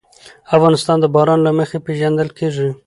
افغانستان د باران له مخې پېژندل کېږي.